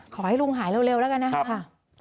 ขอให้ลุงหายเร็วแล้วกันนะครับ